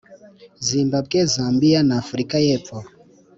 zimbabwe, zambia na afurika y’ epfo,